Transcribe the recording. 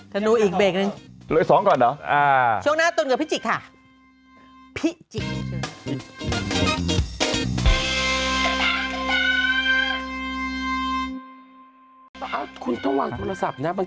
ธนูอีกเบรกนึง